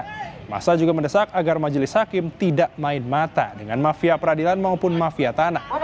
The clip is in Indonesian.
masa juga mendesak agar majelis hakim tidak main mata dengan mafia peradilan maupun mafia tanah